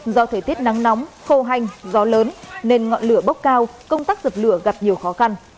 do thời tiết nắng nóng khô hanh gió lớn nên ngọn lửa bốc cao công tác dập lửa gặp nhiều khó khăn